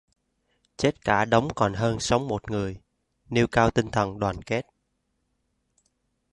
Chết cả đống còn hơn sống một người: nêu cao tinh thần đoàn kết